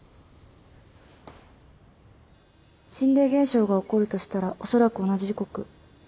心霊現象が起こるとしたらおそらく同じ時刻。